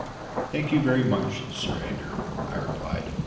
"Thank you very much, Sir Edgar," I replied.